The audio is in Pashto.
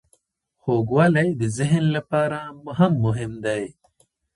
خوږوالی د ذهن لپاره هم مهم دی.